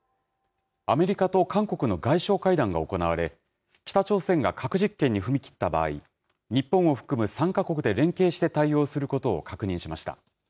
アメリカと韓国の外相会談が行われ、北朝鮮が核実験に踏み切った場合、日本を含む３か国で連携して対応することを確認しました。